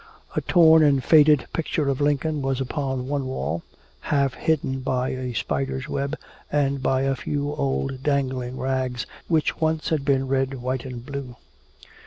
A torn and faded picture of Lincoln was upon one wall, half hidden by a spider's web and by a few old dangling rags which once had been red, white and blue.